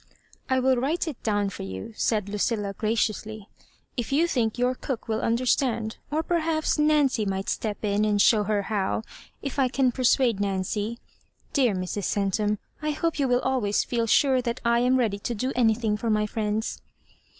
" I will write it down for you," said Lucilla, gradously, if you think your cook will under^ stand ; or perhaps Nancy might step in and show her how — if I can persuade Nancy. Dear Mrs. Centum, I hope you will always feel sure that I am ready to do anything for my friends."